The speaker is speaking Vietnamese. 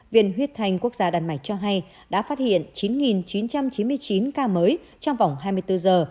viện huyết thanh quốc gia đan mạch cho hay đã phát hiện chín chín trăm chín mươi chín ca mới trong vòng hai mươi bốn giờ